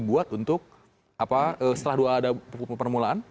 ini dibuat untuk setelah dua buku permulaan